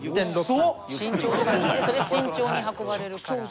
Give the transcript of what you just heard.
それは慎重に運ばれるから。